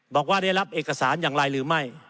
บอกว่าได้รับเอกสารอย่างไรหรือไม่